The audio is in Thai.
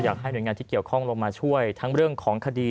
อยากให้หน่วยงานที่เกี่ยวข้องลงมาช่วยทั้งเรื่องของคดี